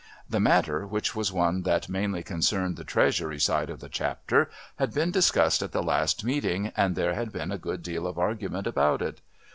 The matter, which was one that mainly concerned the Treasury side of the Chapter, had been discussed at the last meeting, and there had been a good deal of argument about it.